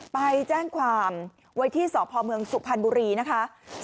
ไปแจ้งความวัยที่สพมสุภัณฑ์บุรีนะคะ